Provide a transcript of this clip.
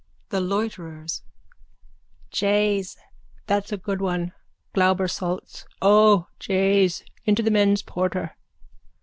THE LOITERERS: Jays, that's a good one. Glauber salts. O jays, into the men's porter.